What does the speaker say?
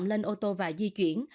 lên ô tô và di chuyển